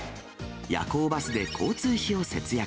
夜行バスで交通費を節約。